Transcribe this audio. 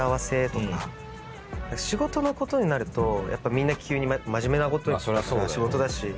仕事のことになるとみんな急に真面目なこと仕事だし。